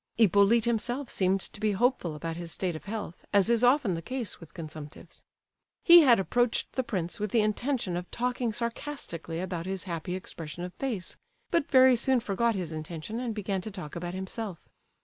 Hippolyte himself seemed to be hopeful about his state of health, as is often the case with consumptives. He had approached the prince with the intention of talking sarcastically about his happy expression of face, but very soon forgot his intention and began to talk about himself.